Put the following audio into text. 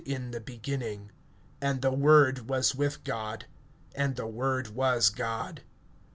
I. IN the beginning was the Word, and the Word was with God, and the Word was God.